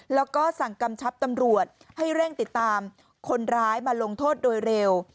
แล้วก็สั่งกำชับตำรวจให้เร่งติดตามคนร้ายมาลงโทษโดยเร็ว